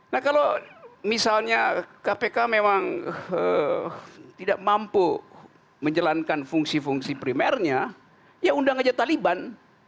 nah kalau misalnya kpk memang tidak mampu menjalankan fungsi fungsi primernya ya undang aja taliban